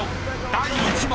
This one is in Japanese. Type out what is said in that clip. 第１問］